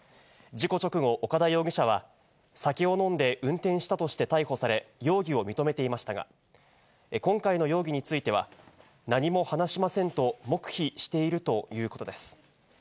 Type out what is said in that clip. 事故直後、岡田容疑者は、酒を飲んで運転したとして逮捕され、容疑を認めていましたが、今回の容疑については、何も話しませんと、黙秘しているということです。